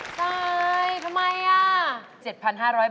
สายทำไม